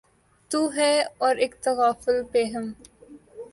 تو ہے اور اک تغافل پیہم